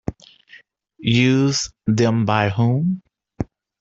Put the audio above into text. Used, then, by whom?